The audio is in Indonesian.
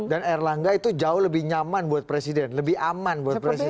dan erlangga itu jauh lebih nyaman buat presiden lebih aman buat presiden